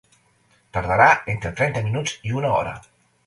Tardarà entre trenta minuts i una hora.